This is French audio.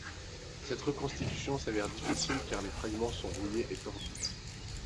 Cette reconstitution s'avère difficile, car les fragments sont rouillés et tordus.